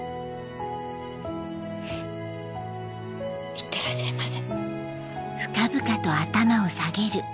いってらっしゃいませ。